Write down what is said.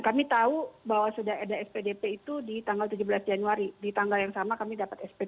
kami tahu bahwa sudah ada spdp itu di tanggal tujuh belas januari di tanggal yang sama kami dapat sp tiga